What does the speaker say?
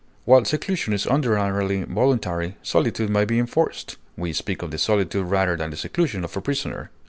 While seclusion is ordinarily voluntary, solitude may be enforced; we speak of the solitude rather than the seclusion of a prisoner.